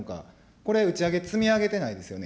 これ、内訳積み上げてないですよね。